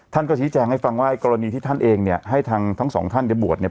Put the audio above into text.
ท่านก็ชี้แจงให้ฟังว่ากรณีที่ท่านเองเนี่ยให้ทางทั้งสองท่านเนี่ยบวชเนี่ย